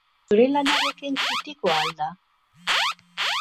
Zure lanarekin kritikoa al da?